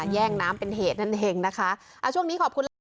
แย่งน้ำเป็นเหตุนั้นเองนะคะช่วงนี้ขอบคุณ